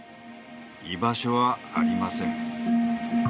居場所はありません。